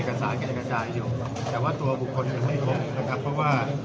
ขาดจิตเลือดตัวบุคคลไ็ไม่พบ